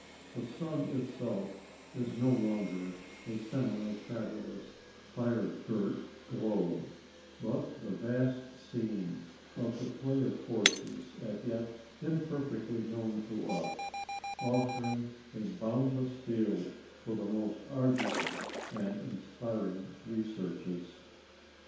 The sun itself is no longer a semi fabulous, fire girt globe, but the vast scene of the play of forces as yet imperfectly known to us, offering a boundless field for the most arduous and inspiring researches.